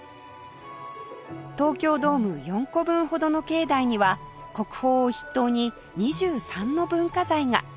東京ドーム４個分ほどの境内には国宝を筆頭に２３の文化財が